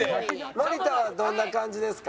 森田はどんな感じですか？